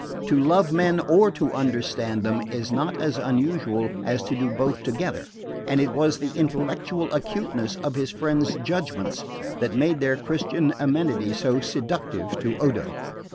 To love men, or to understand them, is not as unusual as to do both together; and it was the intellectual acuteness of his friend's judgments that made their Christian amenity so seductive to Odo.